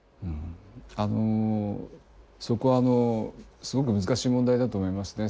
あのそこはすごく難しい問題だと思いますね。